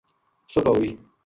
صبح ہوئی